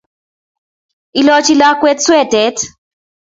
Ilochi lakwet swetet